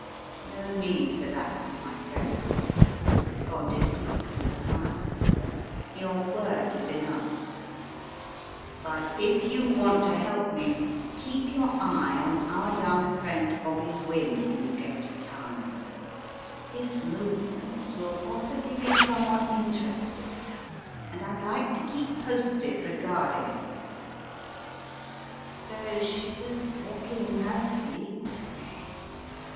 "No need for that, my friend," responded Cleek, with a smile, "your word is enough. But if you i 44 9 Tis a Mad World, My Masters" 249 want to help me, keep your eye on our young friend Bobby Wynne when you get to town. His move ments will possibly be somewhat interesting, and I'd like to keep posted regarding them So she was walking in her sleep then, eh?